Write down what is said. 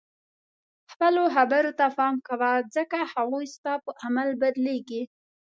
خپلو خبرو ته پام کوه ځکه هغوی ستا په عمل بدلیږي.